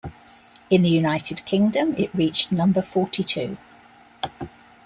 In the United Kingdom it reached number forty-two.